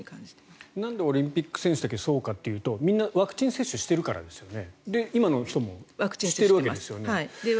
なんでオリンピック選手だけそうかというとみんなワクチン接種しているからですよね。